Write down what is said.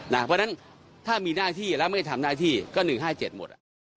เพราะฉะนั้นถ้ามีน่าที่แล้วไม่ถามน่าที่ก็๗๕๑หมด